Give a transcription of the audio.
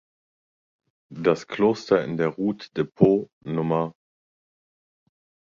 Das Kloster in der "Route de Pau" Nr.